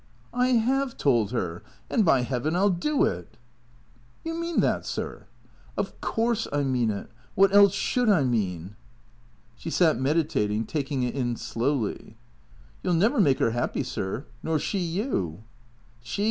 " I have told her. And, by Heaven ! I '11 do it." " You mean that, sir ?"" Of course I mean it. What else should I mean ?" She sat meditating, taking it in slowly. "You'll never make 'er 'appy, sir. Nor she you."